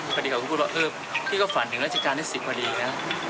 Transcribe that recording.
พอดีเขาก็พูดว่าพี่ก็ฝันถึงราชิการที่สิบพอดีนะ